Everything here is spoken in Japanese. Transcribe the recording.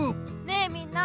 ねえみんな。